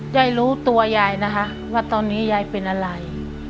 ยายรู้ตัวยายนะคะว่าตอนนี้ยายเป็นอะไร